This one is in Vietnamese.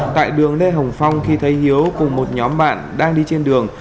tại đường lê hồng phong khi thấy hiếu cùng một nhóm bạn đang đi trên đường